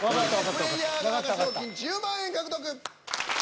プレイヤー側が賞金１０万円獲得。